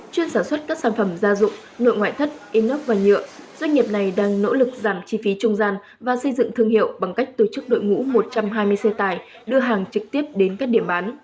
chuyên sản xuất các sản phẩm gia dụng nội ngoại thất inox và nhựa doanh nghiệp này đang nỗ lực giảm chi phí trung gian và xây dựng thương hiệu bằng cách tổ chức đội ngũ một trăm hai mươi xe tải đưa hàng trực tiếp đến các điểm bán